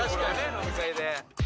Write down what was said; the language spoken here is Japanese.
飲み会で。